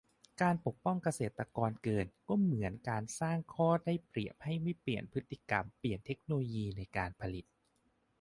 การปกป้องเกษตรกรเกินก็เหมือนสร้างข้อได้เปรียบให้ไม่เปลี่ยนพฤติกรรม เปลี่ยนเทคโนการผลิต